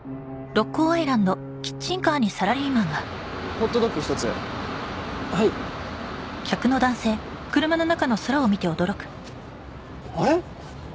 ホットドッグ１つはいあれ？